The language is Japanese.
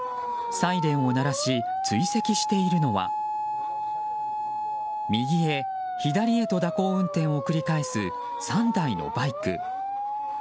サイレンを鳴らし追跡しているのは右へ左へと蛇行運転を繰り返す３台のバイク。